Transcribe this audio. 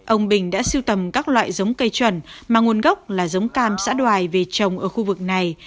ông bình đã siêu tầm các loại giống cây chuẩn mà nguồn gốc là giống cam xã đoài về trồng ở khu vực này